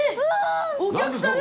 お客さんだ。